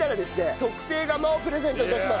特製釜をプレゼント致します。